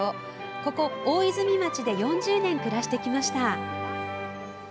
ここ大泉町で４０年、暮らしてきました。